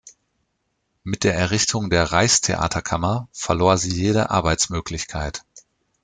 Mit der Errichtung der Reichstheaterkammer verlor sie jede Arbeitsmöglichkeit.